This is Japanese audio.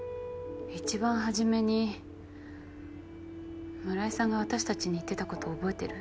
一番初めに村井さんが私たちに言ってたこと覚えてる？